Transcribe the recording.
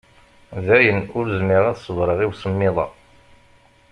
Dayen ur zmireɣ ad ṣebreɣ i usemmiḍ-a.